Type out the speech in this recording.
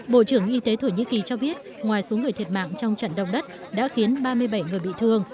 bộ trưởng y tế thổ nhĩ kỳ cho biết ngoài số người thiệt mạng trong trận động đất đã khiến ba mươi bảy người bị thương